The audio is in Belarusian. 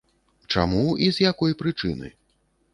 Чаму і з якой прычыны?